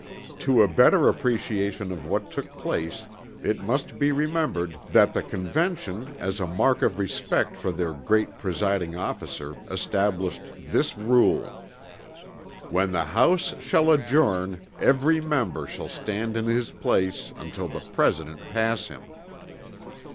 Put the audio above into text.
To a better appreciation of what took place it must be remembered that the Convention as a mark of respect for their great presiding officer established this rule: "_When the House shall adjourn, every member shall stand in his place until the President pass him.